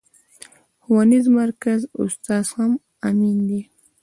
ښوونيز مرکز استاد هم امين دی.